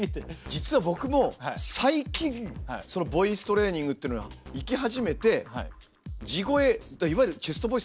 実は僕も最近そのボイストレーニングっていうのを行き始めて地声いわゆるチェストボイスっていうのかな。